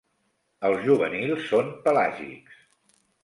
Els juvenils són pelàgics.